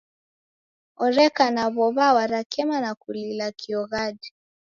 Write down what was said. Oreka na w'ow'a warakema na kulila kioghadi.